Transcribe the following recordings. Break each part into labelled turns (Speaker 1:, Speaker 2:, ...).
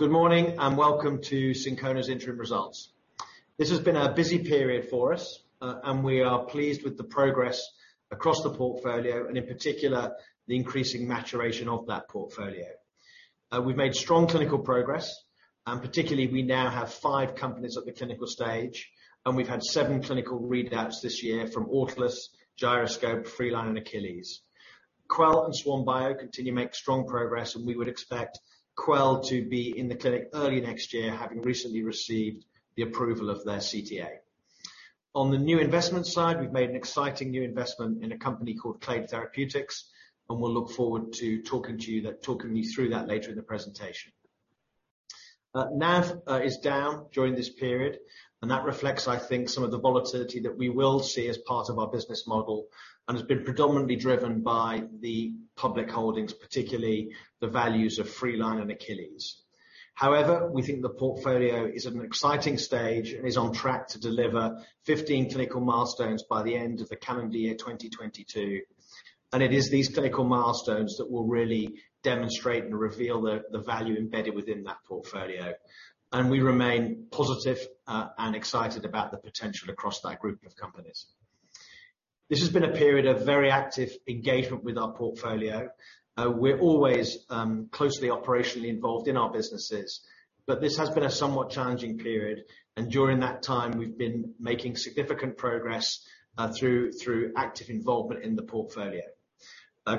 Speaker 1: Good morning, and welcome to Syncona's interim results. This has been a busy period for us, and we are pleased with the progress across the portfolio, and in particular, the increasing maturation of that portfolio. We've made strong clinical progress, and particularly we now have five companies at the clinical stage, and we've had seven clinical readouts this year from Autolus, Gyroscope, Freeline, and Achilles. Quell and Swan Bio continue to make strong progress, and we would expect Quell to be in the clinic early next year, having recently received the approval of their CTA. On the new investment side, we've made an exciting new investment in a company called Clade Therapeutics, and we'll look forward to talking you through that later in the presentation. NAV is down during this period, and that reflects, I think, some of the volatility that we will see as part of our business model, and has been predominantly driven by the public holdings, particularly the values of Freeline and Achilles. However, we think the portfolio is at an exciting stage and is on track to deliver 15 clinical milestones by the end of the calendar year 2022, and it is these clinical milestones that will really demonstrate and reveal the value embedded within that portfolio. We remain positive and excited about the potential across that group of companies. This has been a period of very active engagement with our portfolio. We're always closely operationally involved in our businesses, but this has been a somewhat challenging period, and during that time, we've been making significant progress through active involvement in the portfolio.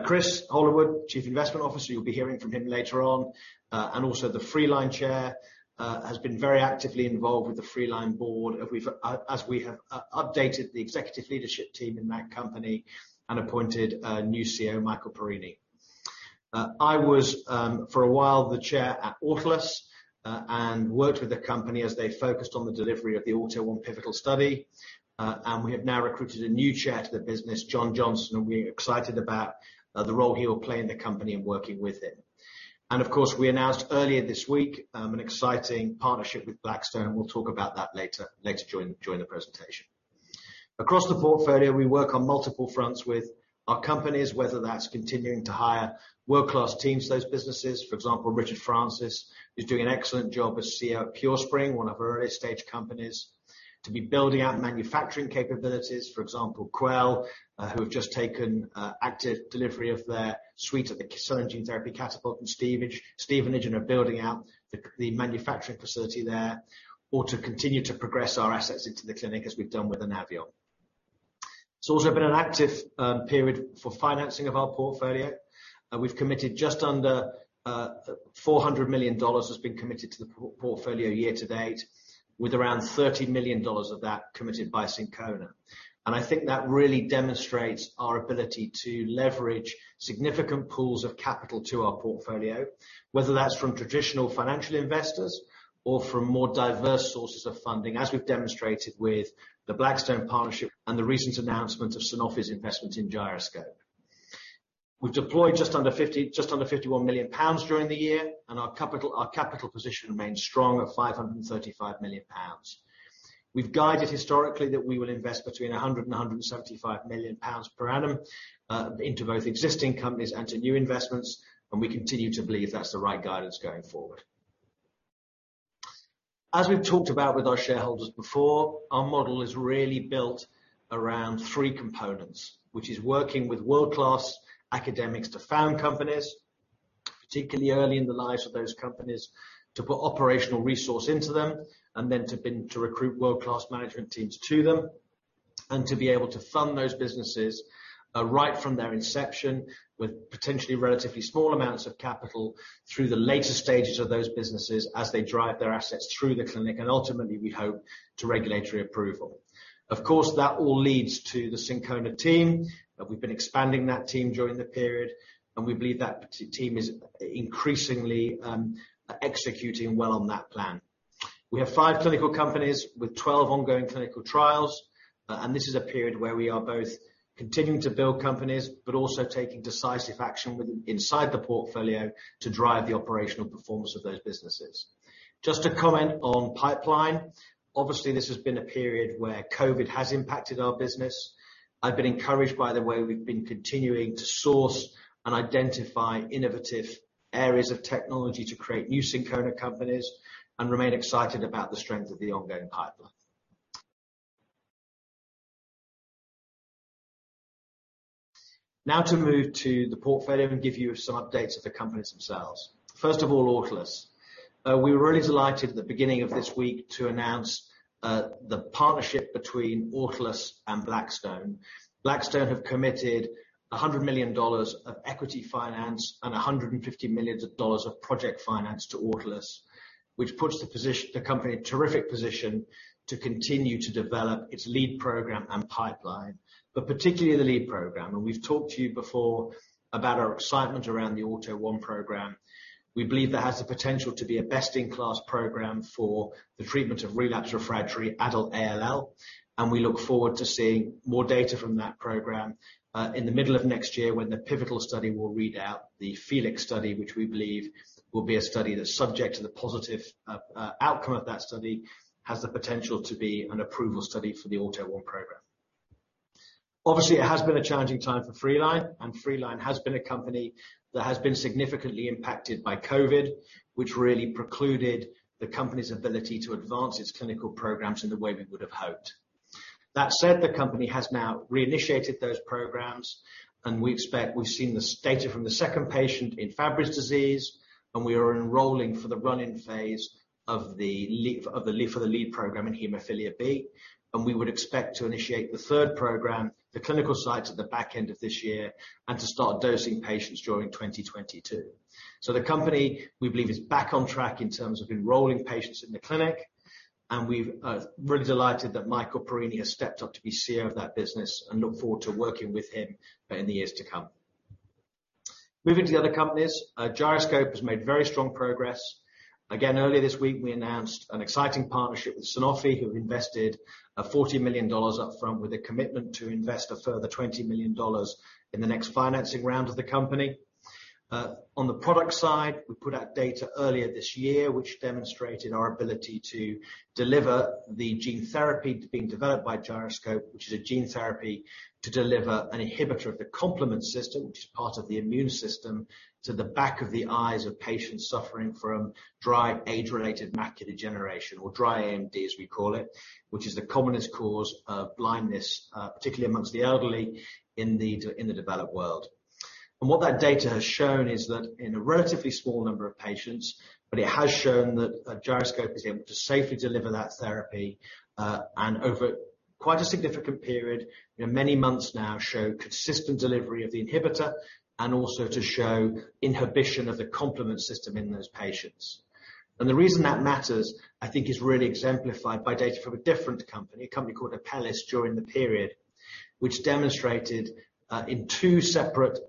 Speaker 1: Chris Hollowood, Chief Investment Officer, you'll be hearing from him later on, and also the Freeline Chair has been very actively involved with the Freeline board, as we have updated the executive leadership team in that company and appointed a new CEO, Michael Perini. I was, for a while, the Chair at Autolus, and worked with the company as they focused on the delivery of the AUTO1 pivotal study, and we have now recruited a new Chair to the business, John Scott, and we're excited about the role he will play in the company and working with him. Of course, we announced earlier this week an exciting partnership with Blackstone, and we'll talk about that later during the presentation. Across the portfolio, we work on multiple fronts with our companies, whether that's continuing to hire world-class teams to those businesses. For example, Richard Francis, who's doing an excellent job as CEO at Purespring, one of our early-stage companies to be building out manufacturing capabilities. For example, Quell, who have just taken actual delivery of their suite at the Cell and Gene Therapy Catapult in Stevenage and are building out the manufacturing facility there. Or to continue to progress our assets into the clinic as we've done with Anaveon. It's also been an active period for financing of our portfolio. We've committed just under $400 million has been committed to the portfolio year to date, with around $30 million of that committed by Syncona. I think that really demonstrates our ability to leverage significant pools of capital to our portfolio, whether that's from traditional financial investors or from more diverse sources of funding, as we've demonstrated with the Blackstone partnership and the recent announcement of Sanofi's investment in Gyroscope. We've deployed just under 51 million pounds during the year, and our capital position remains strong at 535 million pounds. We've guided historically that we will invest between 100 million pounds and 175 million pounds per annum into both existing companies and to new investments, and we continue to believe that's the right guidance going forward. As we've talked about with our shareholders before, our model is really built around three components, which is working with world-class academics to found companies, particularly early in the lives of those companies, to put operational resource into them, and then to recruit world-class management teams to them, and to be able to fund those businesses right from their inception with potentially relatively small amounts of capital through the later stages of those businesses as they drive their assets through the clinic, and ultimately, we hope, to regulatory approval. Of course, that all leads to the Syncona team. We've been expanding that team during the period, and we believe that the team is increasingly executing well on that plan. We have five clinical companies with 12 ongoing clinical trials, and this is a period where we are both continuing to build companies but also taking decisive action within the portfolio to drive the operational performance of those businesses. Just a comment on pipeline. Obviously, this has been a period where COVID has impacted our business. I've been encouraged by the way we've been continuing to source and identify innovative areas of technology to create new Syncona companies and remain excited about the strength of the ongoing pipeline. Now to move to the portfolio and give you some updates of the companies themselves. First of all, Autolus. We were really delighted at the beginning of this week to announce the partnership between Autolus and Blackstone. Blackstone have committed $100 million of equity finance and $150 million of project finance to Autolus, which puts the company in a terrific position to continue to develop its lead program and pipeline, but particularly the lead program. We've talked to you before about our excitement around the AUTO1 program. We believe that has the potential to be a best-in-class program for the treatment of relapsed/refractory adult ALL, and we look forward to seeing more data from that program, in the middle of next year when the pivotal study will read out the FELIX study, which we believe will be a study that's subject to the positive outcome of that study, has the potential to be an approval study for the AUTO1 program. Obviously, it has been a challenging time for Freeline, and Freeline has been a company that has been significantly impacted by COVID, which really precluded the company's ability to advance its clinical programs in the way we would have hoped. That said, the company has now reinitiated those programs, and we expect we've seen this data from the second patient in Fabry disease, and we are enrolling for the run-in phase of the HOPE-B program in hemophilia B, and we would expect to initiate the third program, the clinical side to the back end of this year, and to start dosing patients during 2022. The company, we believe, is back on track in terms of enrolling patients in the clinic, and we're really delighted that Michael Perini has stepped up to be CEO of that business, and look forward to working with him in the years to come. Moving to the other companies, Gyroscope has made very strong progress. Again, earlier this week, we announced an exciting partnership with Sanofi, who have invested $40 million up front with a commitment to invest a further $20 million in the next financing round of the company. On the product side, we put out data earlier this year, which demonstrated our ability to deliver the gene therapy being developed by Gyroscope, which is a gene therapy to deliver an inhibitor of the complement system, which is part of the immune system, to the back of the eyes of patients suffering from dry age-related macular degeneration or dry AMD, as we call it, which is the commonest cause of blindness, particularly amongst the elderly in the developed world. What that data has shown is that in a relatively small number of patients, but it has shown that Gyroscope is able to safely deliver that therapy, and over quite a significant period, you know, many months now show consistent delivery of the inhibitor and also to show inhibition of the complement system in those patients. The reason that matters, I think, is really exemplified by data from a different company, a company called Apellis, during the period, which demonstrated in two separate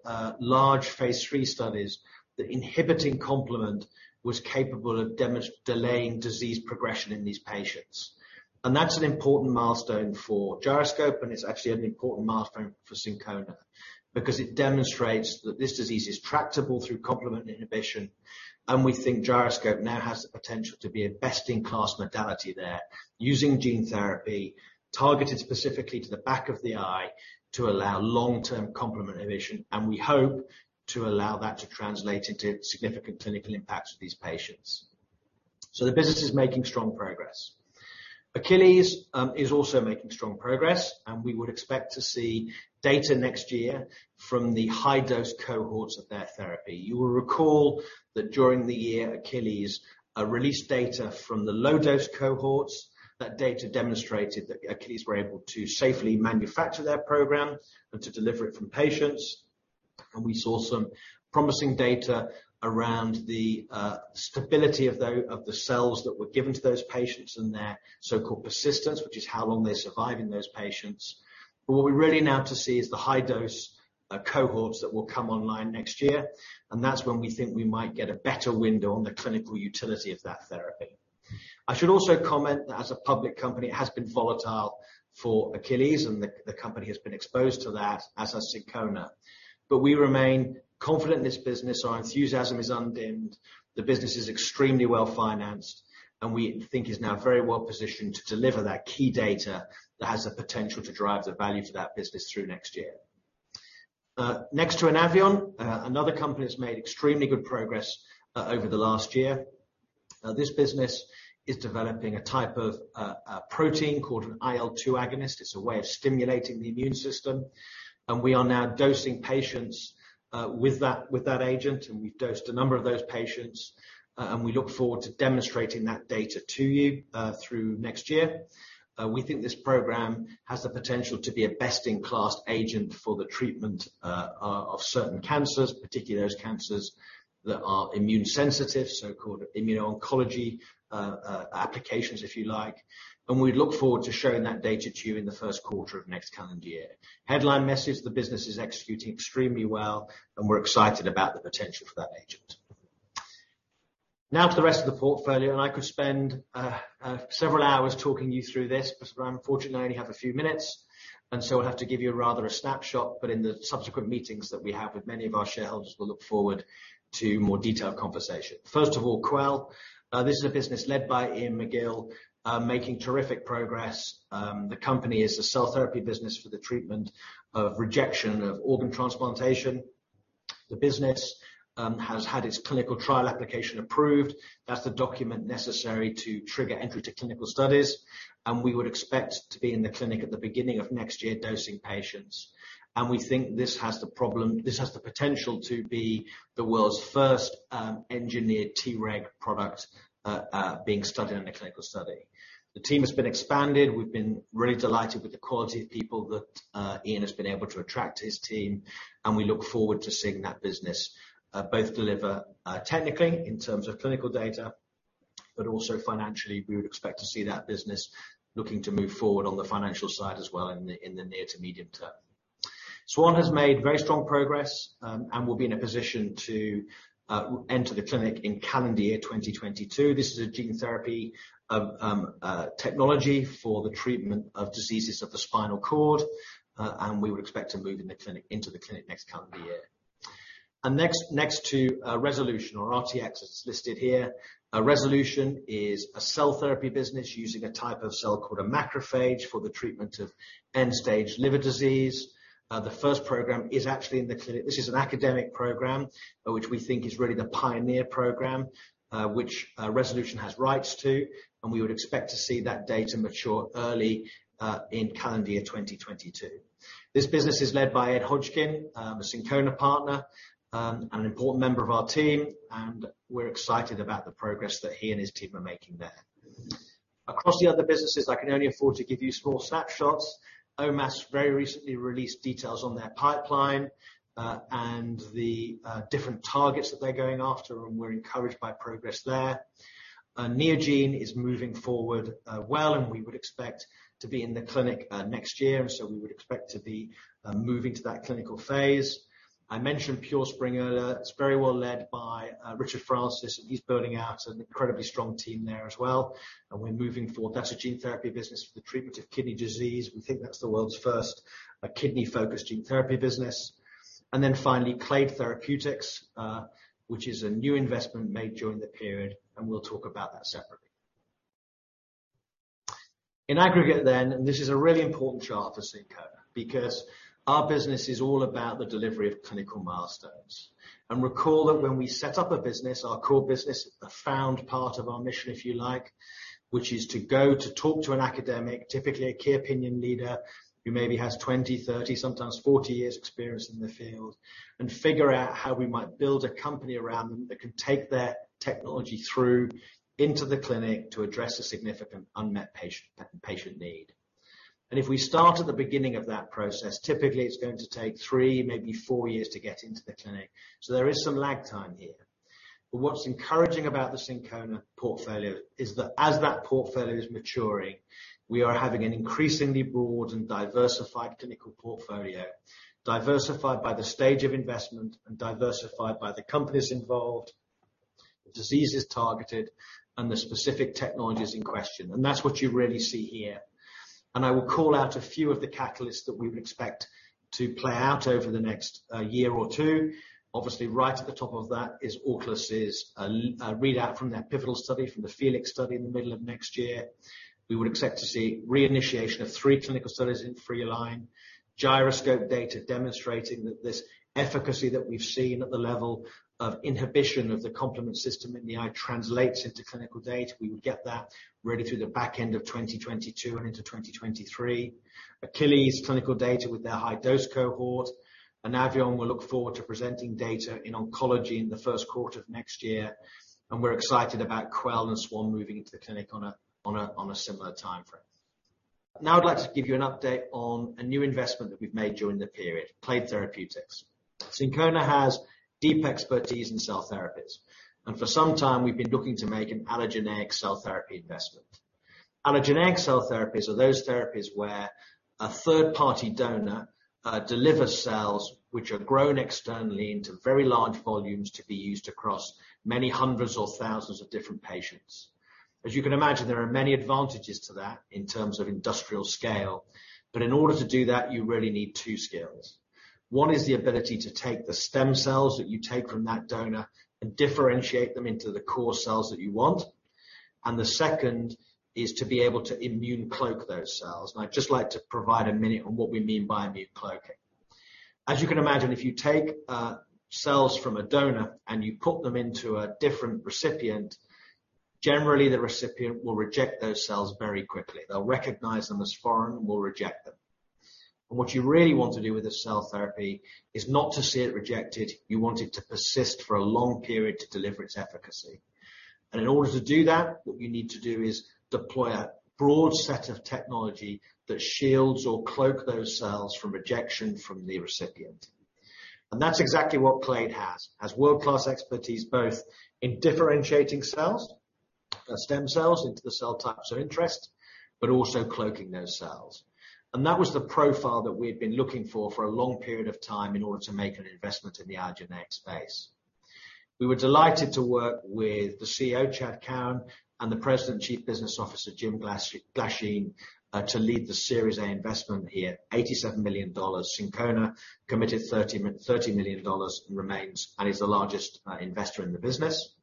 Speaker 1: large phase III studies that inhibiting complement was capable of delaying disease progression in these patients. That's an important milestone for Gyroscope, and it's actually an important milestone for Syncona because it demonstrates that this disease is tractable through complement inhibition. We think Gyroscope now has the potential to be a best-in-class modality there using gene therapy targeted specifically to the back of the eye to allow long-term complement inhibition, and we hope to allow that to translate into significant clinical impacts for these patients. The business is making strong progress. Achilles is also making strong progress, and we would expect to see data next year from the high-dose cohorts of their therapy. You will recall that during the year, Achilles released data from the low-dose cohorts. That data demonstrated that Achilles were able to safely manufacture their program and to deliver it from patients. We saw some promising data around the stability of the cells that were given to those patients and their so-called persistence, which is how long they survive in those patients. What we're ready now to see is the high dose cohorts that will come online next year, and that's when we think we might get a better window on the clinical utility of that therapy. I should also comment that as a public company, it has been volatile for Achilles, and the company has been exposed to that, as has Syncona. We remain confident in this business. Our enthusiasm is undimmed. The business is extremely well-financed, and we think is now very well-positioned to deliver that key data that has the potential to drive the value to that business through next year. Next to Anaveon. Another company that's made extremely good progress over the last year. This business is developing a type of protein called an IL-2 agonist. It's a way of stimulating the immune system, and we are now dosing patients with that agent, and we've dosed a number of those patients, and we look forward to demonstrating that data to you through next year. We think this program has the potential to be a best-in-class agent for the treatment of certain cancers, particularly those cancers that are immune sensitive, so-called immuno-oncology applications, if you like. We look forward to showing that data to you in the first quarter of next calendar year. Headline message, the business is executing extremely well and we're excited about the potential for that agent. Now to the rest of the portfolio, and I could spend several hours talking you through this, but I unfortunately only have a few minutes, and so I'll have to give you rather a snapshot. In the subsequent meetings that we have with many of our shareholders, we'll look forward to more detailed conversation. First of all, Quell. This is a business led by Iain McGill, making terrific progress. The company is a cell therapy business for the treatment of rejection of organ transplantation. The business has had its clinical trial application approved. That's the document necessary to trigger entry to clinical studies. We would expect to be in the clinic at the beginning of next year dosing patients. We think this has the potential to be the world's first engineered Treg product being studied in a clinical study. The team has been expanded. We've been really delighted with the quality of people that Ian has been able to attract to his team, and we look forward to seeing that business both deliver technically in terms of clinical data, but also financially, we would expect to see that business looking to move forward on the financial side as well in the near to medium term. Swan has made very strong progress, and will be in a position to enter the clinic in calendar year 2022. This is a gene therapy technology for the treatment of diseases of the spinal cord, and we would expect to move into the clinic next calendar year. Next to Resolution or RTX as it's listed here. Resolution is a cell therapy business using a type of cell called a macrophage for the treatment of end-stage liver disease. The first program is actually in the clinic. This is an academic program, which we think is really the pioneer program, which Resolution has rights to, and we would expect to see that data mature early in calendar year 2022. This business is led by Ed Hodgkin, a Syncona partner, and an important member of our team, and we're excited about the progress that he and his team are making there. Across the other businesses, I can only afford to give you small snapshots. OMass very recently released details on their pipeline, and the different targets that they're going after, and we're encouraged by progress there. Neogene is moving forward well, and we would expect to be in the clinic next year, and so we would expect to be moving to that clinical phase. I mentioned Purespring earlier. It's very well led by Richard Francis, and he's building out an incredibly strong team there as well, and we're moving forward. That's a gene therapy business for the treatment of kidney disease. We think that's the world's first kidney-focused gene therapy business. Finally, Clade Therapeutics, which is a new investment made during the period, and we'll talk about that separately. In aggregate, and this is a really important chart for Syncona because our business is all about the delivery of clinical milestones. Recall that when we set up a business, our core business, the found part of our mission, if you like, which is to go to talk to an academic, typically a key opinion leader who maybe has 20, 30, sometimes 40 years experience in the field, and figure out how we might build a company around them that can take their technology through into the clinic to address a significant unmet patient need. If we start at the beginning of that process, typically it's going to take three, maybe four years to get into the clinic. There is some lag time here. What's encouraging about the Syncona portfolio is that as that portfolio is maturing, we are having an increasingly broad and diversified clinical portfolio. Diversified by the stage of investment and diversified by the companies involved, diseases targeted, and the specific technologies in question. That's what you really see here. I will call out a few of the catalysts that we would expect to play out over the next year or two. Obviously, right at the top of that is Autolus's readout from their pivotal study, from the FELIX study in the middle of next year. We would expect to see reinitiation of three clinical studies in Freeline. Gyroscope data demonstrating that this efficacy that we've seen at the level of inhibition of the complement system in the eye translates into clinical data. We would get that really through the back end of 2022 and into 2023, Achilles clinical data with their high-dose cohort. Anaveon will look forward to presenting data in oncology in the first quarter of next year. We're excited about Quell and SwanBio moving into the clinic on a similar timeframe. Now I'd like to give you an update on a new investment that we've made during the period, Clade Therapeutics. Syncona has deep expertise in cell therapies, and for some time, we've been looking to make an allogeneic cell therapy investment. Allogeneic cell therapies are those therapies where a third-party donor delivers cells which are grown externally into very large volumes to be used across many hundreds or thousands of different patients. As you can imagine, there are many advantages to that in terms of industrial scale. In order to do that, you really need two skills. One is the ability to take the stem cells that you take from that donor and differentiate them into the core cells that you want. The second is to be able to immune cloak those cells. I'd just like to provide a minute on what we mean by immune cloaking. As you can imagine, if you take cells from a donor and you put them into a different recipient, generally the recipient will reject those cells very quickly. They'll recognize them as foreign and will reject them. What you really want to do with a cell therapy is not to see it rejected. You want it to persist for a long period to deliver its efficacy. In order to do that, what you need to do is deploy a broad set of technology that shields or cloak those cells from rejection from the recipient. That's exactly what Clade has world-class expertise, both in differentiating cells, stem cells into the cell types of interest, but also cloaking those cells. That was the profile that we'd been looking for for a long period of time in order to make an investment in the allogeneic space. We were delighted to work with the CEO, Chad Cowan, and the President Chief Business Officer, Jim Glasheen, to lead the Series A investment here, $87 million. Syncona committed $30 million and remains, and is the largest investor in the business.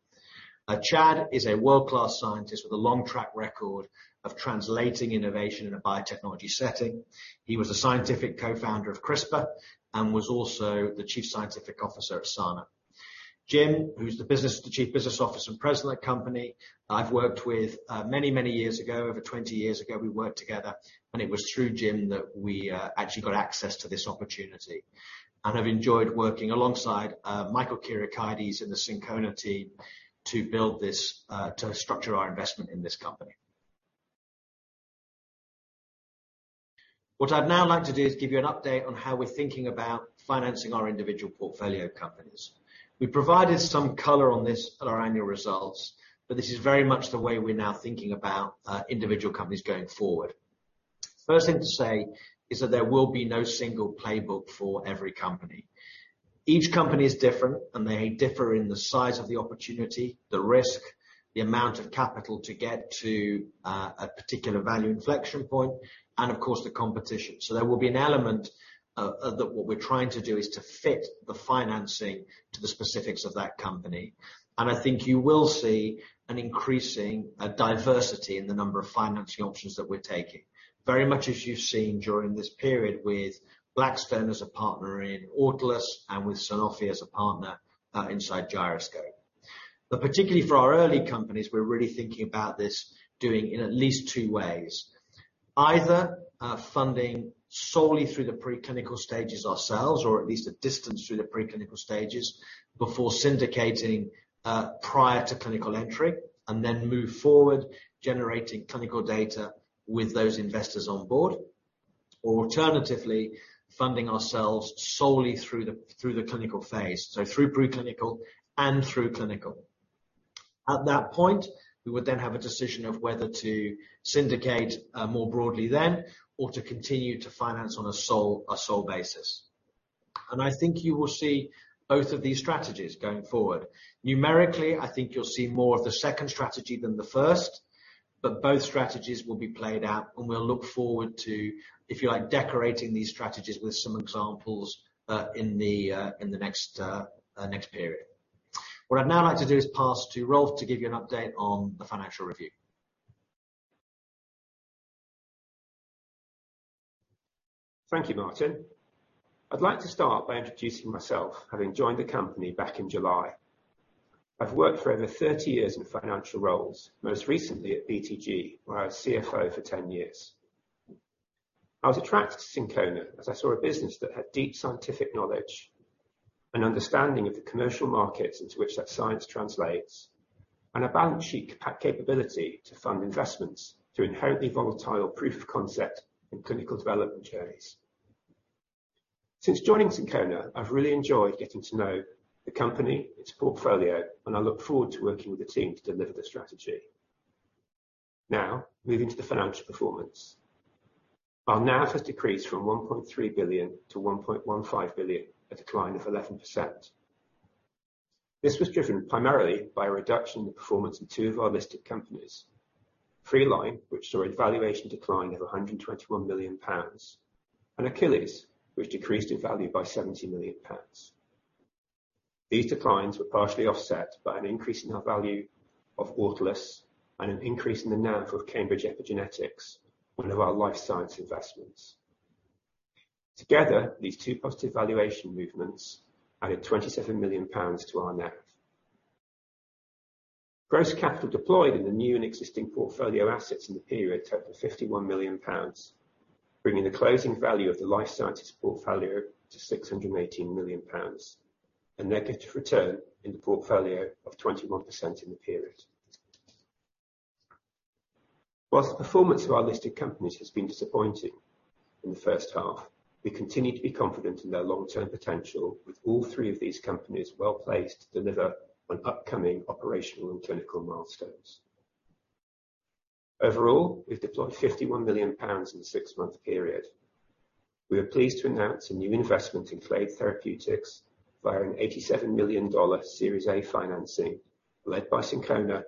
Speaker 1: Chad is a world-class scientist with a long track record of translating innovation in a biotechnology setting. He was a scientific co-founder of CRISPR and was also the chief scientific officer at Sana. Jim, who's the President and Chief Business Officer of the company, I've worked with many, many years ago. Over 20 years ago, we worked together. It was through Jim that we actually got access to this opportunity. I've enjoyed working alongside Michael Kyriakides and the Syncona team to build this, to structure our investment in this company. What I'd now like to do is give you an update on how we're thinking about financing our individual portfolio companies. We provided some color on this at our annual results, but this is very much the way we're now thinking about individual companies going forward. First thing to say is that there will be no single playbook for every company. Each company is different, and they differ in the size of the opportunity, the risk, the amount of capital to get to a particular value inflection point, and of course, the competition. There will be an element of what we're trying to do is to fit the financing to the specifics of that company. I think you will see an increasing diversity in the number of financing options that we're taking. Very much as you've seen during this period with Blackstone as a partner in Autolus, and with Sanofi as a partner inside Gyroscope. Particularly for our early companies, we're really thinking about this, doing in at least two ways. Either funding solely through the preclinical stages ourselves, or at least a distance through the preclinical stages before syndicating prior to clinical entry, and then move forward, generating clinical data with those investors on board. Or alternatively, funding ourselves solely through the clinical phase, so through preclinical and through clinical. At that point, we would then have a decision of whether to syndicate more broadly then, or to continue to finance on a sole basis. I think you will see both of these strategies going forward. Numerically, I think you'll see more of the second strategy than the first, but both strategies will be played out, and we'll look forward to, if you like, decorating these strategies with some examples in the next period. What I'd now like to do is pass to Rolf to give you an update on the financial review.
Speaker 2: Thank you, Martin. I'd like to start by introducing myself, having joined the company back in July. I've worked for over 30 years in financial roles, most recently at BTG, where I was CFO for 10 years. I was attracted to Syncona as I saw a business that had deep scientific knowledge and understanding of the commercial markets into which that science translates, and a balance sheet capability to fund investments through inherently volatile proof of concept and clinical development journeys. Since joining Syncona, I've really enjoyed getting to know the company, its portfolio, and I look forward to working with the team to deliver the strategy. Now, moving to the financial performance. Our NAV has decreased from 1.3 billion-1.15 billion, a decline of 11%. This was driven primarily by a reduction in the performance of two of our listed companies, Freeline, which saw a valuation decline of 121 million pounds, and Achilles, which decreased in value by 70 million pounds. These declines were partially offset by an increase in our value of Autolus and an increase in the NAV of Cambridge Epigenetix, one of our life science investments. Together, these two positive valuation movements added 27 million pounds to our NAV. Gross capital deployed in the new and existing portfolio assets in the period totaled 51 million pounds, bringing the closing value of the life sciences portfolio to 618 million pounds. A negative return in the portfolio of 21% in the period. While the performance of our listed companies has been disappointing in the first half, we continue to be confident in their long-term potential with all three of these companies well-placed to deliver on upcoming operational and clinical milestones. Overall, we've deployed 51 million pounds in the six-month period. We are pleased to announce a new investment in Clade Therapeutics via an $87 million Series A financing led by Syncona,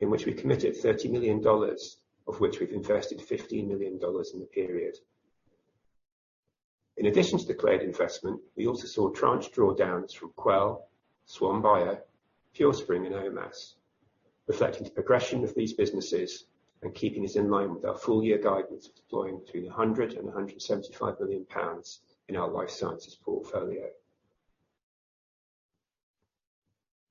Speaker 2: in which we committed $30 million, of which we've invested $15 million in the period. In addition to the Clade investment, we also saw tranche drawdowns from Quell, SwanBio, Purespring, and OMass, reflecting the progression of these businesses and keeping us in line with our full year guidance of deploying between 100 million and 175 million pounds in our life sciences portfolio.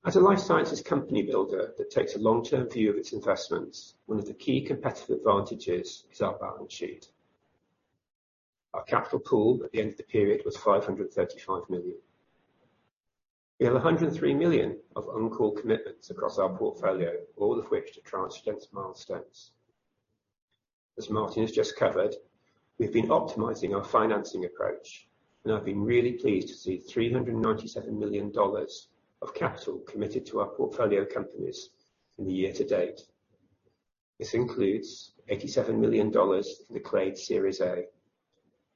Speaker 2: As a life sciences company builder that takes a long-term view of its investments, one of the key competitive advantages is our balance sheet. Our capital pool at the end of the period was 535 million. We have 103 million of uncalled commitments across our portfolio, all of which to tranche against milestones. As Martin has just covered, we've been optimizing our financing approach, and I've been really pleased to see $397 million of capital committed to our portfolio companies in the year to date. This includes $87 million in the Clade Series A,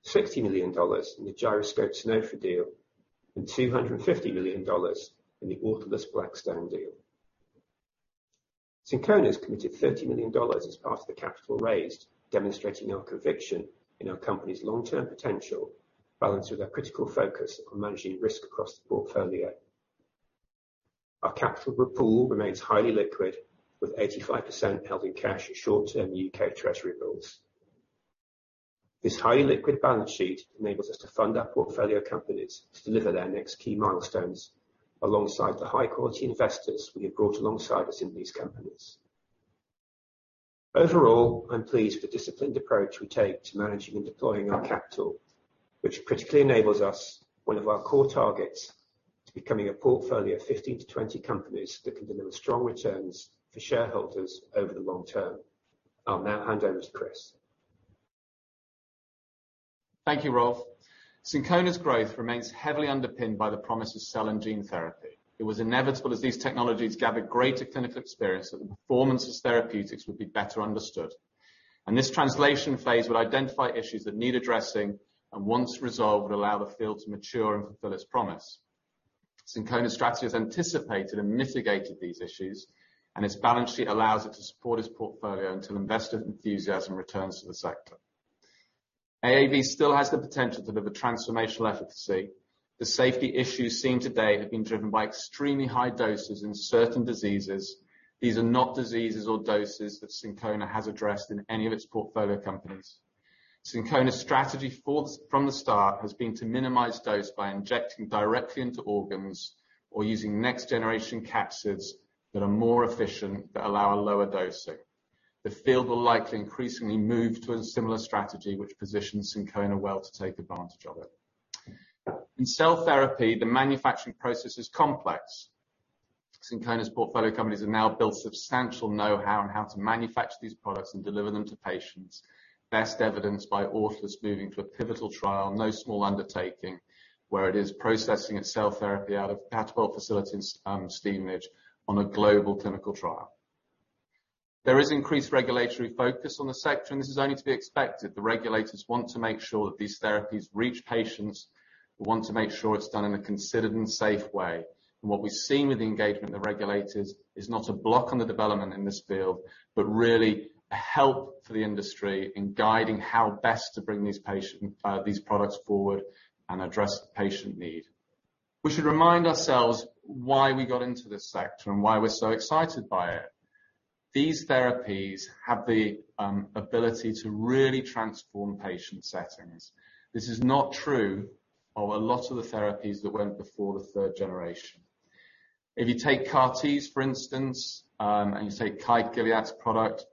Speaker 2: $60 million in the Gyroscope/Sanofi deal, and $250 million in the Autolus Blackstone deal. Syncona has committed $30 million as part of the capital raised, demonstrating our conviction in our company's long-term potential, balanced with our critical focus on managing risk across the portfolio. Our capital pool remains highly liquid, with 85% held in cash in short-term UK Treasury bills. This highly liquid balance sheet enables us to fund our portfolio companies to deliver their next key milestones alongside the high-quality investors we have brought alongside us in these companies. Overall, I'm pleased with the disciplined approach we take to managing and deploying our capital, which critically enables us one of our core targets to becoming a portfolio of 15-20 companies that can deliver strong returns for shareholders over the long term. I'll now hand over to Chris.
Speaker 3: Thank you, Rolf. Syncona's growth remains heavily underpinned by the promise of cell and gene therapy. It was inevitable as these technologies gathered greater clinical experience that the performance of therapeutics would be better understood. This translation phase would identify issues that need addressing and once resolved, would allow the field to mature and fulfill its promise. Syncona's strategy has anticipated and mitigated these issues, and its balance sheet allows it to support its portfolio until investor enthusiasm returns to the sector. AAV still has the potential to deliver transformational efficacy. The safety issues seen today have been driven by extremely high doses in certain diseases. These are not diseases or doses that Syncona has addressed in any of its portfolio companies. Syncona's strategy from the start has been to minimize dose by injecting directly into organs or using next generation capsids that are more efficient, that allow a lower dosing. The field will likely increasingly move to a similar strategy which positions Syncona well to take advantage of it. In cell therapy, the manufacturing process is complex. Syncona's portfolio companies have now built substantial know-how on how to manufacture these products and deliver them to patients. Best evidenced by Autolus moving to a pivotal trial, no small undertaking, where it is processing its cell therapy out of Patchway facilities, Stevenage on a global clinical trial. There is increased regulatory focus on the sector, and this is only to be expected. The regulators want to make sure that these therapies reach patients. We want to make sure it's done in a considered and safe way. What we've seen with the engagement of the regulators is not a block on the development in this field, but really a help for the industry in guiding how best to bring these products forward and address patient need. We should remind ourselves why we got into this sector and why we're so excited by it. These therapies have the ability to really transform patient settings. This is not true of a lot of the therapies that went before the third generation. If you take CAR-Ts, for instance, and you say Kite Gilead product,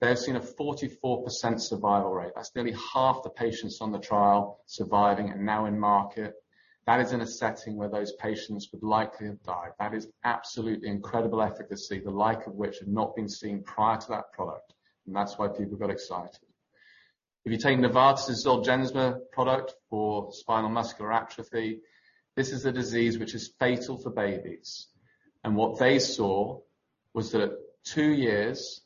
Speaker 3: they've seen a 44% survival rate. That's nearly half the patients on the trial surviving and now in market. That is in a setting where those patients would likely have died. That is absolutely incredible efficacy, the like of which had not been seen prior to that product, and that's why people got excited. If you take Novartis Zolgensma product for spinal muscular atrophy, this is a disease which is fatal for babies. What they saw was that two years,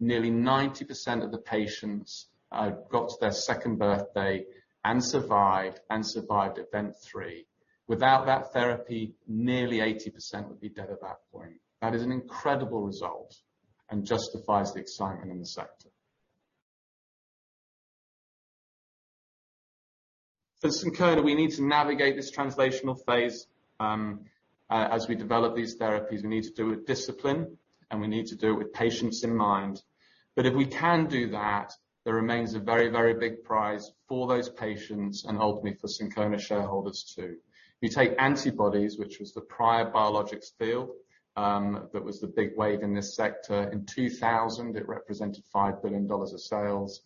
Speaker 3: nearly 90% of the patients got to their second birthday and survived, and survived event free. Without that therapy, nearly 80% would be dead at that point. That is an incredible result and justifies the excitement in the sector. For Syncona, we need to navigate this translational phase as we develop these therapies. We need to do it with discipline, and we need to do it with patients in mind. But if we can do that, there remains a very, very big prize for those patients and ultimately for Syncona shareholders too. If you take antibodies, which was the prior biologics field, that was the big wave in this sector. In 2000, it represented $5 billion of sales.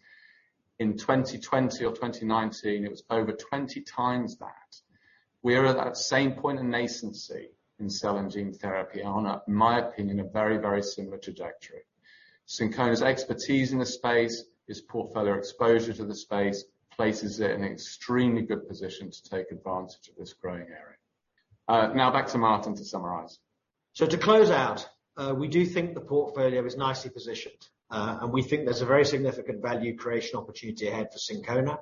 Speaker 3: In 2020 or 2019, it was over 20x that. We are at that same point in nascency in cell and gene therapy. In my opinion, a very, very similar trajectory. Syncona's expertise in the space, its portfolio exposure to the space places it in extremely good position to take advantage of this growing area. Now back to Martin to summarize.
Speaker 1: To close out, we do think the portfolio is nicely positioned. We think there's a very significant value creation opportunity ahead for Syncona.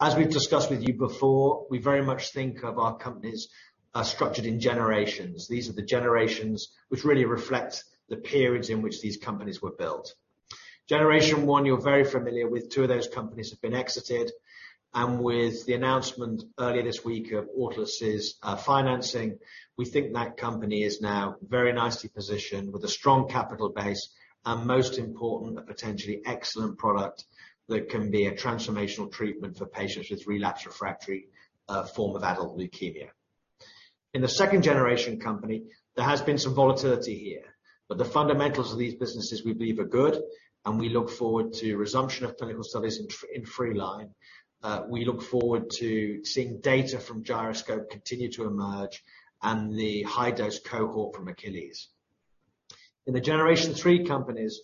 Speaker 1: As we've discussed with you before, we very much think of our companies structured in generations. These are the generations which really reflect the periods in which these companies were built. Generation one, you're very familiar with. Two of those companies have been exited. With the announcement earlier this week of Autolus' financing, we think that company is now very nicely positioned with a strong capital base and most important, a potentially excellent product that can be a transformational treatment for patients with relapsed refractory form of adult leukemia. In the second generation company, there has been some volatility here, but the fundamentals of these businesses we believe are good and we look forward to resumption of clinical studies in Freeline. We look forward to seeing data from Gyroscope continue to emerge and the high-dose cohort from Achilles. In the generation three companies,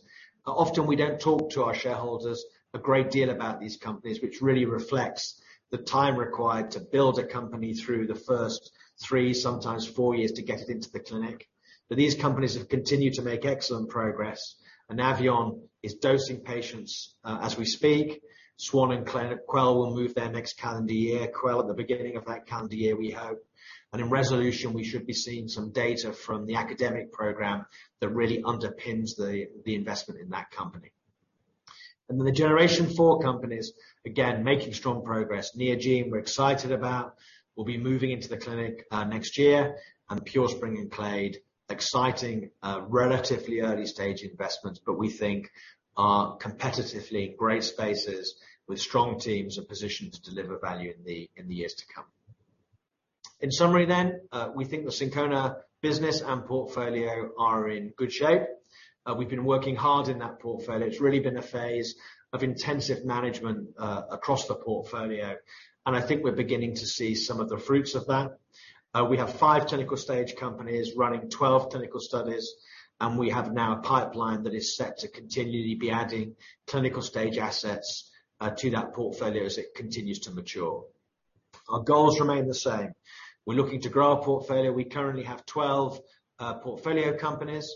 Speaker 1: often we don't talk to our shareholders a great deal about these companies, which really reflects the time required to build a company through the first three, sometimes four years, to get it into the clinic. These companies have continued to make excellent progress. Anaveon is dosing patients, as we speak. SwanBio and Quell will move their next calendar year. Quell at the beginning of that calendar year, we hope. In Resolution, we should be seeing some data from the academic program that really underpins the investment in that company. The generation four companies, again, making strong progress. Neogene, we're excited about. We'll be moving into the clinic next year. Purespring and Clade, exciting, relatively early-stage investments, but we think are competitively great spaces with strong teams and positioned to deliver value in the years to come. In summary, we think the Syncona business and portfolio are in good shape. We've been working hard in that portfolio. It's really been a phase of intensive management across the portfolio. I think we're beginning to see some of the fruits of that. We have five clinical stage companies running 12 clinical studies, and we have now a pipeline that is set to continually be adding clinical stage assets to that portfolio as it continues to mature. Our goals remain the same. We're looking to grow our portfolio. We currently have 12 portfolio companies.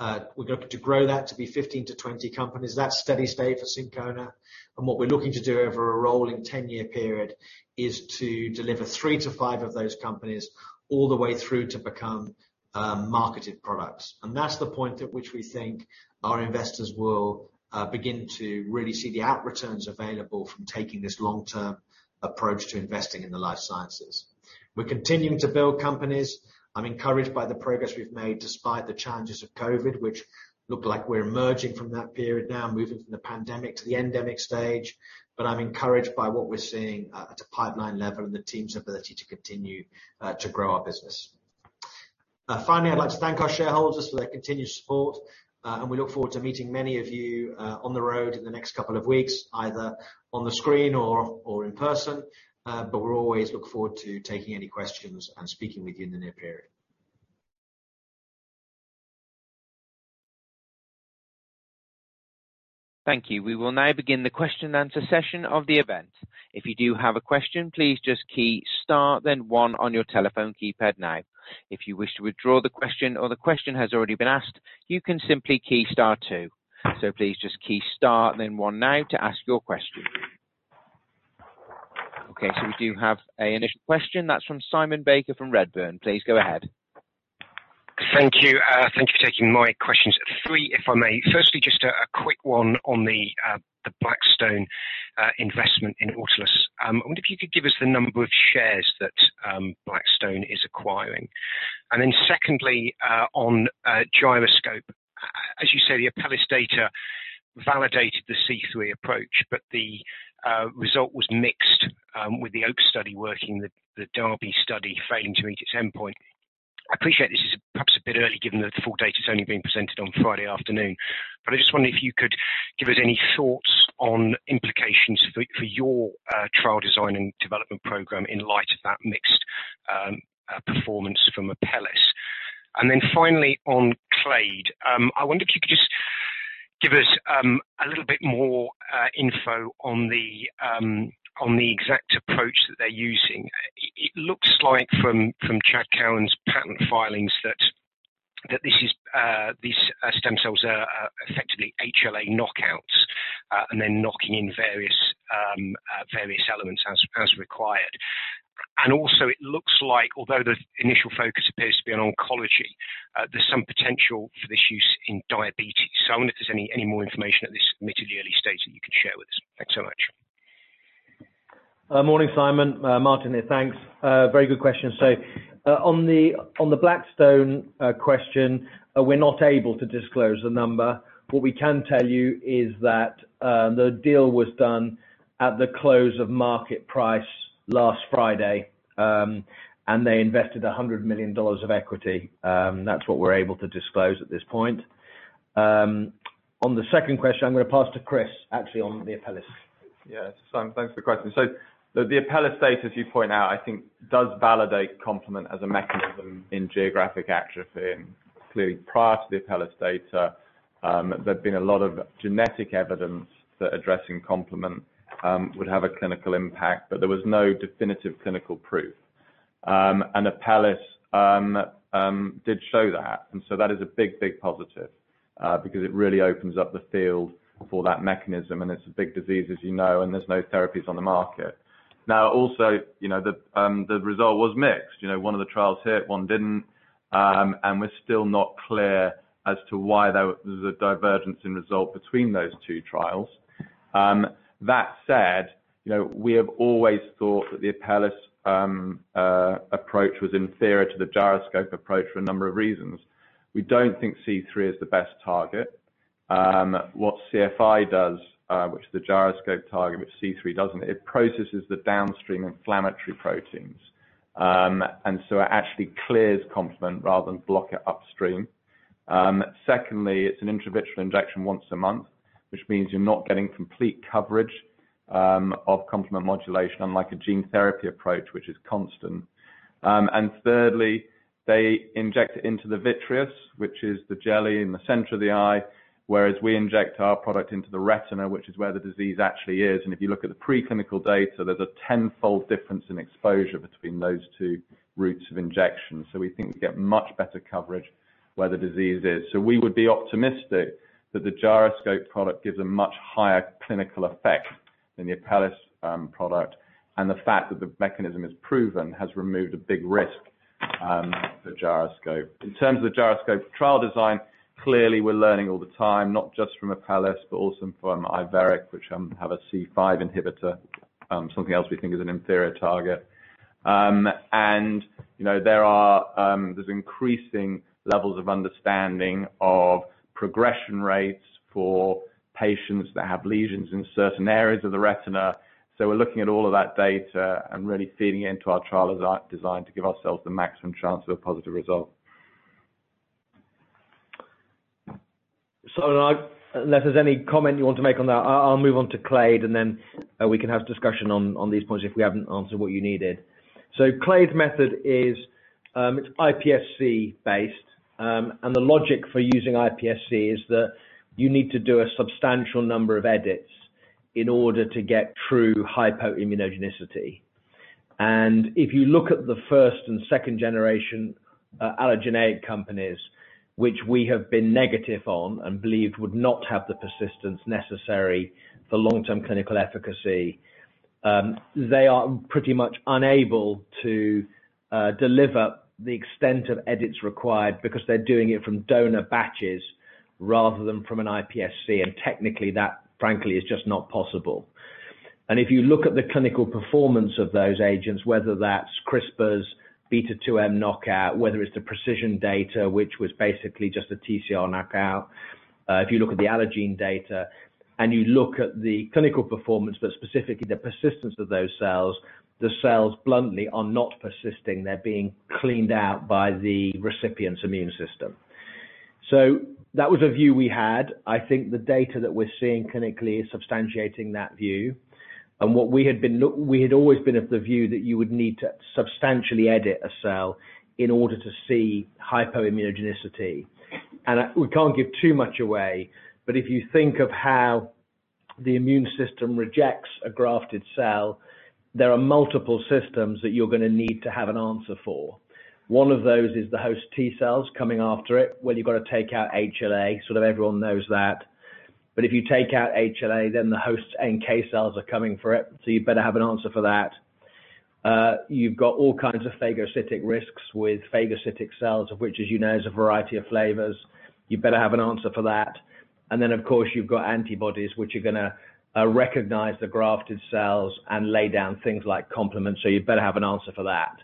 Speaker 1: We're looking to grow that to be 15-20 companies. That's steady state for Syncona. What we're looking to do over a rolling ten-year period is to deliver three to five of those companies all the way through to become marketed products. That's the point at which we think our investors will begin to really see the returns available from taking this long-term approach to investing in the life sciences. We're continuing to build companies. I'm encouraged by the progress we've made despite the challenges of COVID, which look like we're emerging from that period now, moving from the pandemic to the endemic stage. I'm encouraged by what we're seeing at a pipeline level and the team's ability to continue to grow our business. Finally, I'd like to thank our shareholders for their continued support, and we look forward to meeting many of you on the road in the next couple of weeks, either on the screen or in person. We always look forward to taking any questions and speaking with you in the near period.
Speaker 4: Thank you. We will now begin the question and answer session of the event. If you do have a question, please just key star then one on your telephone keypad now. If you wish to withdraw the question or the question has already been asked, you can simply key star two. Please just key star then one now to ask your question. Okay, we do have an initial question. That's from Simon Baker from Redburn. Please go ahead.
Speaker 5: Thank you. Thank you for taking my questions. Three, if I may. Firstly, just a quick one on the Blackstone investment in Autolus. I wonder if you could give us the number of shares that Blackstone is acquiring. And then secondly, on Gyroscope. As you say, the Apellis data validated the C3 approach, but the result was mixed, with the OAKS study working, the DERBY study failing to meet its endpoint. I appreciate this is perhaps a bit early, given that the full data is only being presented on Friday afternoon. I just wondered if you could give us any thoughts on implications for your trial design and development program in light of that mixed performance from Apellis. Then finally, on Clade, I wonder if you could just give us a little bit more info on the exact approach that they're using. It looks like from Chad Cowan's patent filings that this is these stem cells are effectively HLA knockouts, and then knocking in various elements as required. Also it looks like although the initial focus appears to be on oncology, there's some potential for this use in diabetes. I wonder if there's any more information at this admittedly early stage that you can share with us. Thanks so much.
Speaker 1: Morning, Simon. Martin here. Thanks. Very good question. On the Blackstone question, we're not able to disclose the number. What we can tell you is that the deal was done at the close of market price last Friday, and they invested $100 million of equity. That's what we're able to disclose at this point. On the second question, I'm gonna pass to Chris actually on the Apellis.
Speaker 3: Yeah. Thanks for the question. The Apellis data, as you point out, I think does validate complement as a mechanism in geographic atrophy. Clearly prior to the Apellis data, there'd been a lot of genetic evidence that addressing complement would have a clinical impact, but there was no definitive clinical proof. Apellis did show that. That is a big, big positive, because it really opens up the field for that mechanism, and it's a big disease, as you know, and there's no therapies on the market. Also, you know, the result was mixed. You know, one of the trials hit, one didn't, and we're still not clear as to why there was a divergence in result between those two trials. That said, you know, we have always thought that the Apellis approach was inferior to the Gyroscope approach for a number of reasons. We don't think C3 is the best target. What CFI does, which is the Gyroscope target, which C3 doesn't, it processes the downstream inflammatory proteins. It actually clears complement rather than block it upstream. Secondly, it's an intravitreal injection once a month, which means you're not getting complete coverage of complement modulation, unlike a gene therapy approach, which is constant. Thirdly, they inject it into the vitreous, which is the jelly in the center of the eye. Whereas we inject our product into the retina, which is where the disease actually is. If you look at the preclinical data, there's a tenfold difference in exposure between those two routes of injection. We think we get much better coverage where the disease is. We would be optimistic that the Gyroscope product gives a much higher clinical effect than the Apellis product. The fact that the mechanism is proven has removed a big risk for Gyroscope. In terms of the Gyroscope trial design, clearly we're learning all the time, not just from Apellis, but also from Iveric Bio, which have a C5 inhibitor, something else we think is an inferior target. You know, there is increasing levels of understanding of progression rates for patients that have lesions in certain areas of the retina. We're looking at all of that data and really feeding it into our trial design to give ourselves the maximum chance of a positive result.
Speaker 1: I, unless there's any comment you want to make on that, I'll move on to Clade, and then we can have discussion on these points if we haven't answered what you needed. Clade method is, it's iPSC-based, and the logic for using iPSC is that you need to do a substantial number of edits in order to get true hypoimmunogenicity. If you look at the first and second generation allogeneic companies, which we have been negative on and believed would not have the persistence necessary for long-term clinical efficacy, they are pretty much unable to deliver the extent of edits required because they're doing it from donor batches rather than from an iPSC. Technically, that frankly, is just not possible. If you look at the clinical performance of those agents, whether that's CRISPR's beta-2 M knockout, whether it's the Precision data, which was basically just a TCR knockout. If you look at the Allogene data and you look at the clinical performance, but specifically the persistence of those cells, the cells bluntly are not persisting. They're being cleaned out by the recipient's immune system. That was a view we had. I think the data that we're seeing clinically is substantiating that view. We had always been of the view that you would need to substantially edit a cell in order to see hypoimmunogenicity. We can't give too much away, but if you think of how the immune system rejects a grafted cell, there are multiple systems that you're gonna need to have an answer for. One of those is the host T cells coming after it, where you've got to take out HLA, sort of everyone knows that. If you take out HLA, then the host's NK cells are coming for it, so you better have an answer for that. You've got all kinds of phagocytic risks with phagocytic cells, of which, as you know, is a variety of flavors. You better have an answer for that. Of course, you've got antibodies, which are gonna recognize the grafted cells and lay down things like complement, so you better have an answer for that.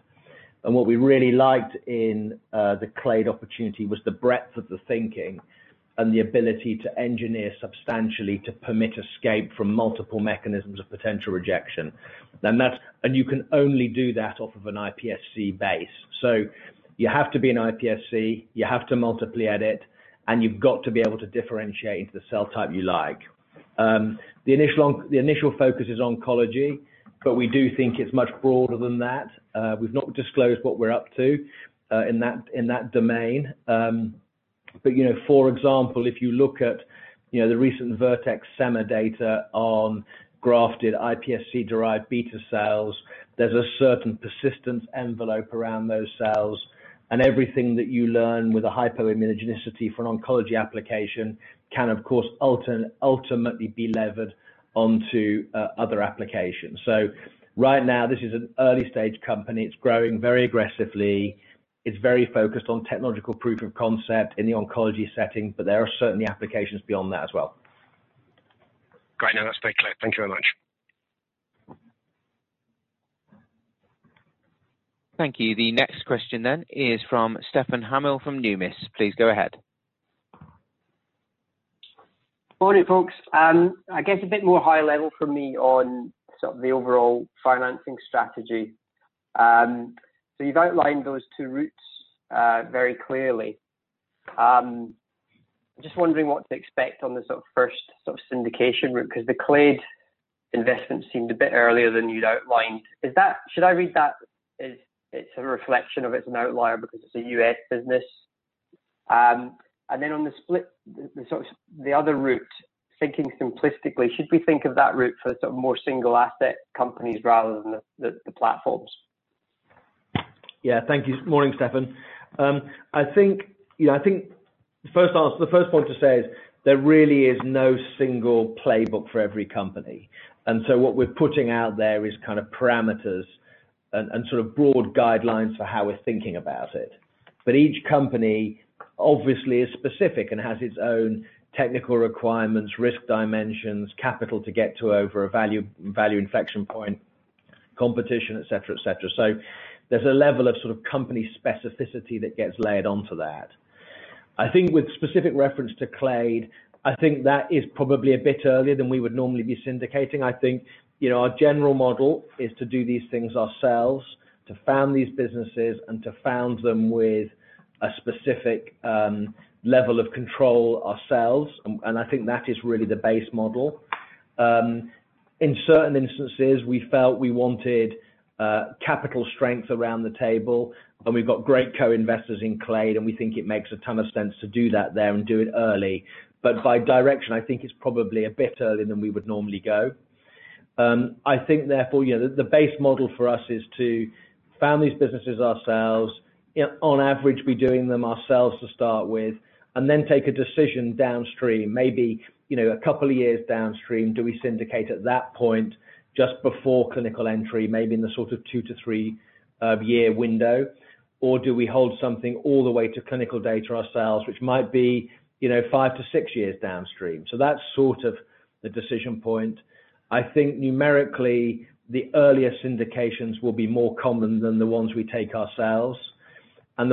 Speaker 1: What we really liked in the Clade opportunity was the breadth of the thinking and the ability to engineer substantially to permit escape from multiple mechanisms of potential rejection, and you can only do that off of an iPSC base. You have to be an iPSC, you have to multiply edit, and you've got to be able to differentiate into the cell type you like. The initial focus is oncology, but we do think it's much broader than that. We've not disclosed what we're up to in that domain. But you know, for example, if you look at the recent Vertex VX-880 data on grafted iPSC-derived beta cells, there's a certain persistence envelope around those cells. Everything that you learn with a hypoimmunogenicity for an oncology application can, of course, ultimately be levered on to other applications. Right now, this is an early-stage company. It's growing very aggressively. It's very focused on technological proof of concept in the oncology setting, but there are certainly applications beyond that as well.
Speaker 5: Great. No, that's very clear. Thank you very much.
Speaker 4: Thank you. The next question then is from Stefan Hamill from Numis. Please go ahead.
Speaker 6: Morning, folks. I guess a bit more high-level from me on sort of the overall financing strategy. So you've outlined those two routes very clearly. Just wondering what to expect on the sort of first sort of syndication route, because the Clade investment seemed a bit earlier than you'd outlined. Is that? Should I read that as it's a reflection of an outlier because it's a U.S. business? And then on the split, the sort of other route, thinking simplistically, should we think of that route for sort of more single asset companies rather than the platforms?
Speaker 1: Yeah. Thank you. Morning, Stefan. I think, you know, I think the first answer, the first point to say is there really is no single playbook for every company. What we're putting out there is kind of parameters and sort of broad guidelines for how we're thinking about it. Each company obviously is specific and has its own technical requirements, risk dimensions, capital to get to over a value inflection point, competition, et cetera, et cetera. There's a level of sort of company specificity that gets layered on to that. I think with specific reference to Clade, I think that is probably a bit earlier than we would normally be syndicating. I think, you know, our general model is to do these things ourselves, to found these businesses and to found them with a specific level of control ourselves. I think that is really the base model. In certain instances, we felt we wanted capital strength around the table, and we've got great co-investors in Clade, and we think it makes a ton of sense to do that there and do it early. By direction, I think it's probably a bit earlier than we would normally go. I think therefore, you know, the base model for us is to found these businesses ourselves, on average, be doing them ourselves to start with, and then take a decision downstream, maybe, you know, a couple of years downstream. Do we syndicate at that point just before clinical entry, maybe in the sort of two to three year window? Or do we hold something all the way to clinical data ourselves, which might be, you know, five to six years downstream? That's sort of the decision point. I think numerically, the earliest indications will be more common than the ones we take ourselves.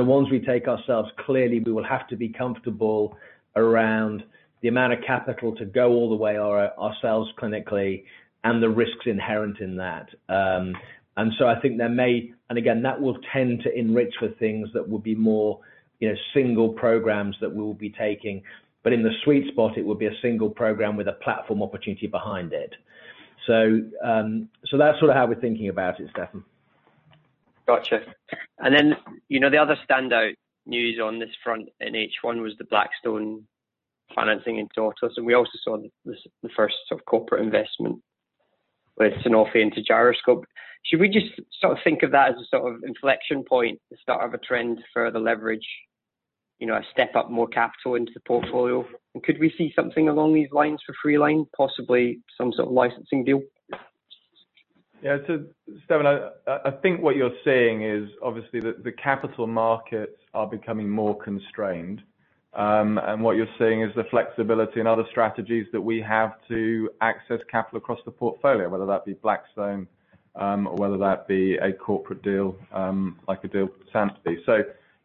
Speaker 1: The ones we take ourselves, clearly, we will have to be comfortable around the amount of capital to go all the way ourselves clinically and the risks inherent in that. I think there may and again, that will tend to enrich for things that will be more, you know, single programs that we'll be taking. In the sweet spot, it will be a single program with a platform opportunity behind it. That's sort of how we're thinking about it, Stefan.
Speaker 6: Gotcha. Then, you know, the other standout news on this front in H1 was the Blackstone financing in Autolus, and we also saw the first sort of corporate investment with Sanofi into Gyroscope. Should we just sort of think of that as a sort of inflection point, the start of a trend to further leverage, you know, a step up more capital into the portfolio? And could we see something along these lines for Freeline, possibly some sort of licensing deal?
Speaker 1: Yeah. Stefan, I think what you're saying is obviously the capital markets are becoming more constrained. What you're seeing is the flexibility in other strategies that we have to access capital across the portfolio, whether that be Blackstone, or whether that be a corporate deal, like a deal with Sanofi.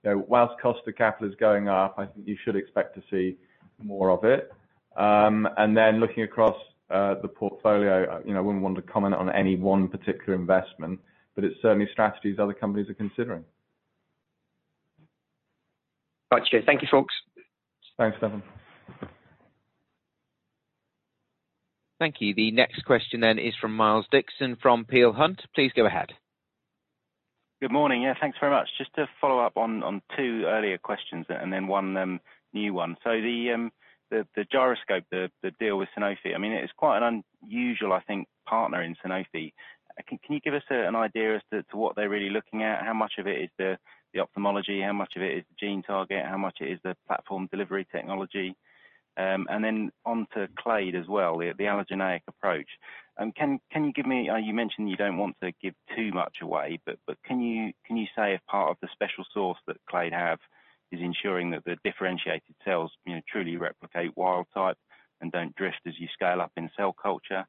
Speaker 1: You know, while cost of capital is going up, I think you should expect to see more of it. Looking across the portfolio, you know, I wouldn't want to comment on any one particular investment, but it's certainly strategies other companies are considering.
Speaker 6: Got you. Thank you, folks.
Speaker 1: Thanks, Stefan.
Speaker 4: Thank you. The next question then is from Miles Dixon from Peel Hunt. Please go ahead.
Speaker 7: Good morning. Yeah, thanks very much. Just to follow up on two earlier questions and then one new one. The Gyroscope, the deal with Sanofi, I mean, it's quite an unusual, I think, partner in Sanofi. Can you give us an idea as to what they're really looking at? How much of it is the ophthalmology? How much of it is gene target? How much of it is the platform delivery technology? Then on to Clade as well, the allogeneic approach. You mentioned you don't want to give too much away, but can you say if part of the special sauce that Clade have is ensuring that the differentiated cells, you know, truly replicate wild type and don't drift as you scale up in cell culture?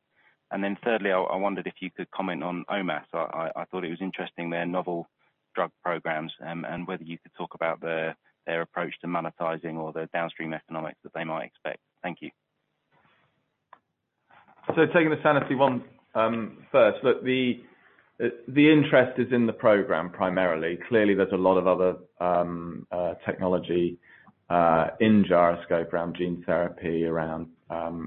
Speaker 7: Thirdly, I wondered if you could comment on OMass. I thought it was interesting their novel drug programs, and whether you could talk about their approach to monetizing or the downstream economics that they might expect. Thank you.
Speaker 1: Taking the Sanofi one first. Look, the interest is in the program primarily. Clearly, there's a lot of other technology in Gyroscope around gene therapy, around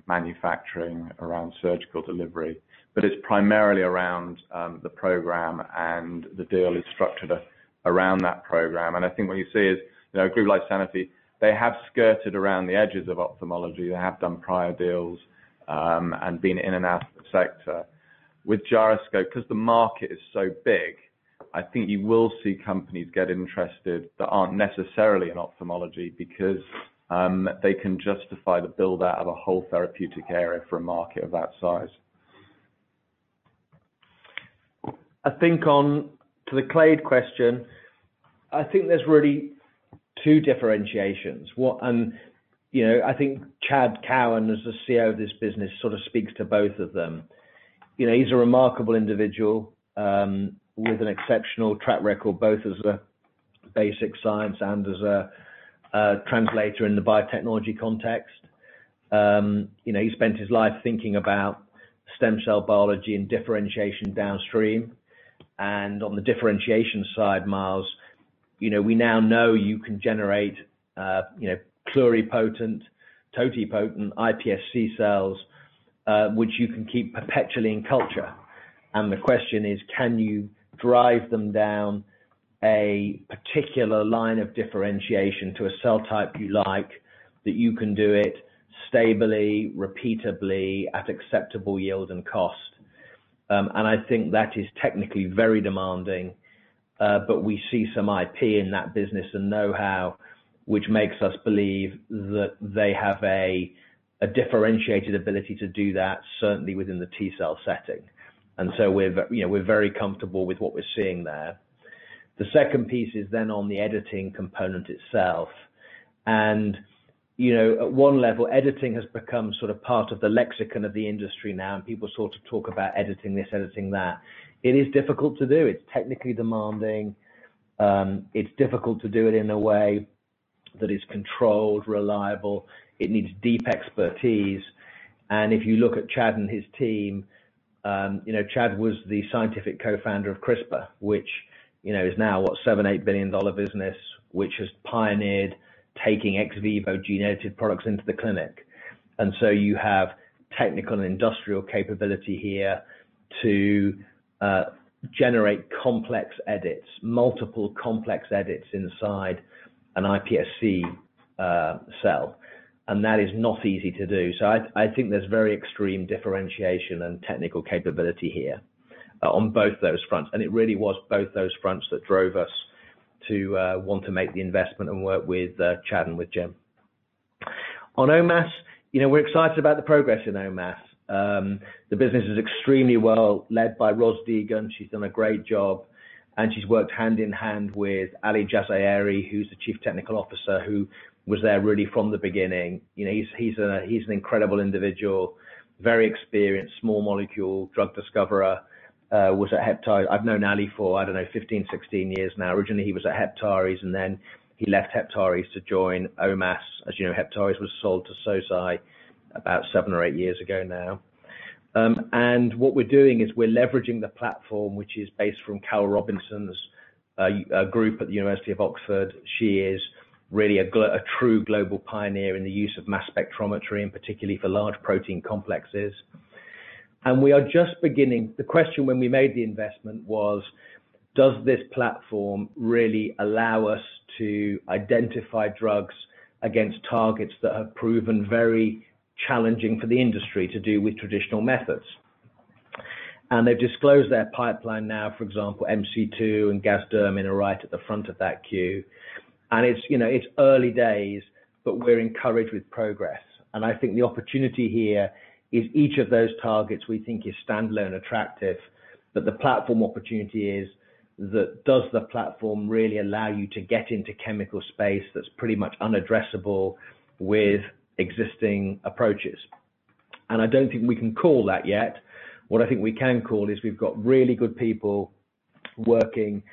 Speaker 1: manufacturing, around surgical delivery. But it's primarily around the program, and the deal is structured around that program. I think what you see is, you know, a group like Sanofi, they have skirted around the edges of ophthalmology. They have done prior deals and been in and out of the sector. With Gyroscope, 'cause the market is so big, I think you will see companies get interested that aren't necessarily in ophthalmology because they can justify the build-out of a whole therapeutic area for a market of that size. I think on to the Clade question, I think there's really two differentiations. You know, I think Chad Cowan, as the CEO of this business, sort of speaks to both of them. You know, he's a remarkable individual with an exceptional track record, both as a basic scientist and as a translator in the biotechnology context. You know, he spent his life thinking about stem cell biology and differentiation downstream. On the differentiation side, Miles, you know, we now know you can generate pluripotent, totipotent iPSC cells, which you can keep perpetually in culture. The question is, can you drive them down a particular line of differentiation to a cell type you like, that you can do it stably, repeatably at acceptable yield and cost? I think that is technically very demanding, but we see some IP in that business and know-how, which makes us believe that they have a differentiated ability to do that, certainly within the T-cell setting. We're very comfortable with what we're seeing there. The second piece is on the editing component itself. You know, at one level, editing has become sort of part of the lexicon of the industry now, and people sort of talk about editing this, editing that. It is difficult to do. It's technically demanding. It's difficult to do it in a way that is controlled, reliable. It needs deep expertise. If you look at Chad and his team, you know, Chad was the scientific co-founder of CRISPR, which, you know, is now what? $7-$8 billion business, which has pioneered taking ex vivo gene-edited products into the clinic. You have technical and industrial capability here to generate complex edits, multiple complex edits inside an iPSC cell. That is not easy to do. I think there's very extreme differentiation and technical capability here on both those fronts. It really was both those fronts that drove us to want to make the investment and work with Chad and with Jim. On OMass. You know, we're excited about the progress in OMass. The business is extremely well led by Ros Deegan. She's done a great job, and she's worked hand in hand with Ali Jazayeri, who's the chief technical officer, who was there really from the beginning. You know, he's an incredible individual, very experienced small molecule drug discoverer. He was at Heptares. I've known Ali for, I don't know, 15, 16 years now. Originally, he was at Heptares, and then he left Heptares to join OMass. As you know, Heptares was sold to Sosei about 7 or 8 years ago now. What we're doing is we're leveraging the platform, which is based on Carol Robinson's, a group at the University of Oxford. She is really a true global pioneer in the use of mass spectrometry, and particularly for large protein complexes. We are just beginning. The question when we made the investment was, does this platform really allow us to identify drugs against targets that have proven very challenging for the industry to do with traditional methods? They've disclosed their pipeline now, for example, MC2R and Gasdermin D are right at the front of that queue. It's, you know, early days, but we're encouraged with progress. I think the opportunity here is each of those targets we think is standalone attractive, but the platform opportunity is that does the platform really allow you to get into chemical space that's pretty much unaddressable with existing approaches. I don't think we can call that yet. What I think we can call is we've got really good people working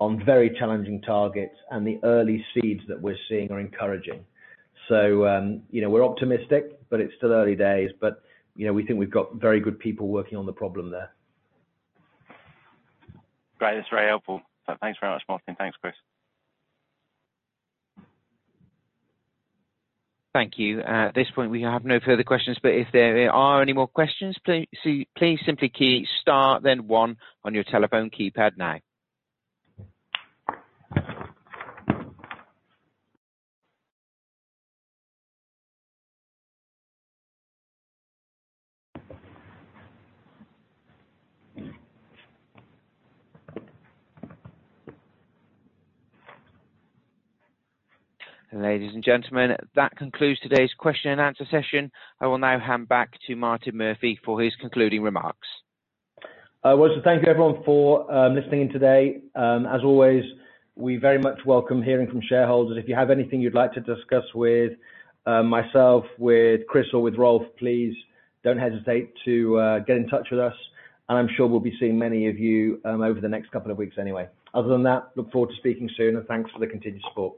Speaker 1: on very challenging targets, and the early seeds that we're seeing are encouraging. You know, we're optimistic, but it's still early days. You know, we think we've got very good people working on the problem there.
Speaker 7: Great. That's very helpful. Thanks very much, Martin. Thanks, Chris.
Speaker 4: Thank you. At this point, we have no further questions, but if there are any more questions, please simply key star then one on your telephone keypad now. Ladies and gentlemen, that concludes today's question and answer session. I will now hand back to Martin Murphy for his concluding remarks.
Speaker 1: I want to thank you, everyone, for listening in today. As always, we very much welcome hearing from shareholders. If you have anything you'd like to discuss with myself, with Chris, or with Rolf, please don't hesitate to get in touch with us. I'm sure we'll be seeing many of you over the next couple of weeks anyway. Other than that, I look forward to speaking soon, and thanks for the continued support.